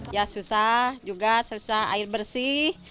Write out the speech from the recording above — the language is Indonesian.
ya susah juga susah air bersih